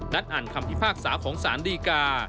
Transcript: อ่านคำพิพากษาของสารดีกา